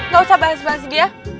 gak usah bahas bahas dia